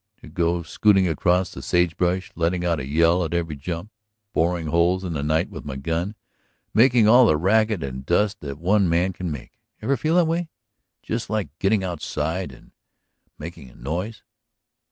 ... to go scooting across the sage brush letting out a yell at every jump, boring holes in the night with my gun, making all of the racket and dust that one man can make. Ever feel that way? just like getting outside and making a noise?